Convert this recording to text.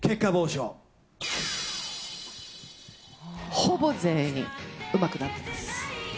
ほぼ全員うまくなってます。